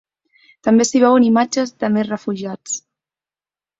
També s’hi veuen imatges de més refugiats.